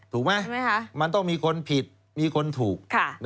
ถูกไหมมันต้องมีคนผิดมีคนถูก